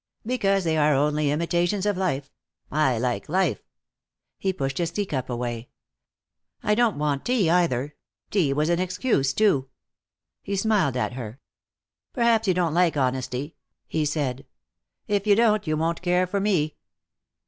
"Because they are only imitations of life. I like life." He pushed his teacup away. "I don't want tea either. Tea was an excuse, too." He smiled at her. "Perhaps you don't like honesty," he said. "If you don't you won't care for me."